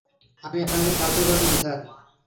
আমি আপনাকে সাহায্য করছি, স্যার।